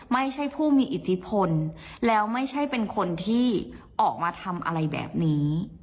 ไม่ใช่ผู้มีอิทธิพลแล้วไม่ใช่เป็นคนที่ออกมาทำอะไรแบบนี้